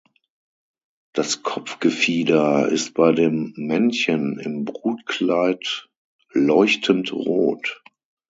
Das Kopfgefieder ist bei dem Männchen im Brutkleid leuchtend rot.